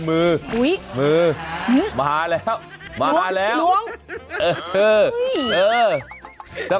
โอ้โหเห็นไหมคะ